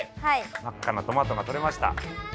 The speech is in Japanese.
真っ赤なトマトがとれました。